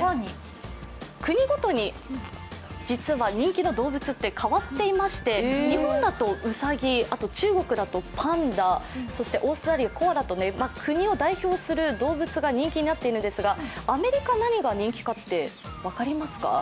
更に、国ごとに実は人気の動物って変わってまして日本だとうさぎ、中国だとパンダ、オーストラリア、コアラと国を代表する動物が人気になっているんですが、アメリカは何が人気か分かりますか？